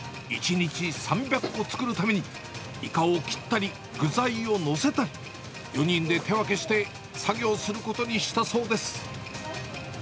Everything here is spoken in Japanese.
１日３００個作るために、イカを切ったり具材を載せたり、４人で手分けして作業することにしたそうです。